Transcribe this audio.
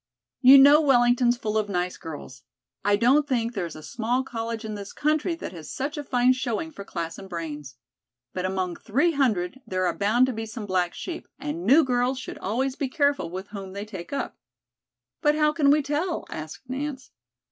"You know Wellington's full of nice girls. I don't think there is a small college in this country that has such a fine showing for class and brains. But among three hundred there are bound to be some black sheep, and new girls should always be careful with whom they take up." "But how can we tell?" asked Nance.